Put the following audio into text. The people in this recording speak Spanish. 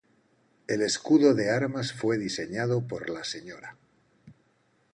El escudo de armas fue diseñado por la Sra.